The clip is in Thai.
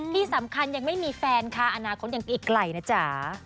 ที่สำคัญยังไม่มีแฟนค่ะอนาคตยังอีกไกลนะจ๊ะ